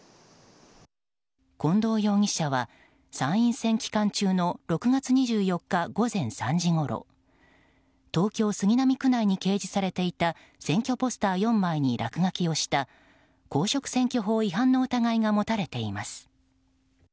近藤容疑者は参院選期間中の６月２４日午前３時ごろ東京・杉並区内に掲示されていた選挙ポスター４枚に落書きをした公職選挙法違反の疑いが持たれています。